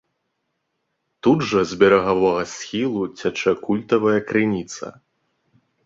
Тут жа з берагавога схілу цячэ культавая крыніца.